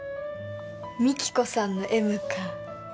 美貴子さんの Ｍ か